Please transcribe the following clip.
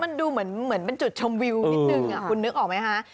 มันดูเหมือนเป็นจุดชมวิวนิดนึงคุณนึกออกไหมคะ